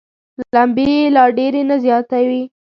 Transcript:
لمبې یې لا ډېرې نه وزياتوي.